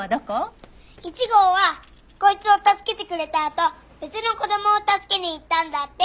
１号はこいつを助けてくれたあと別の子供を助けに行ったんだって！